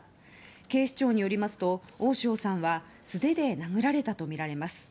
警視庁によりますと、大塩さんは素手で殴られたとみられます。